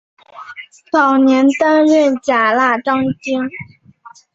早年担任甲喇章京。